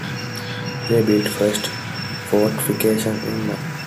They built first fortifications in Malta.